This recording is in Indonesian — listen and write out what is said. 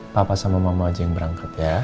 papa sama mama aja yang berangkat ya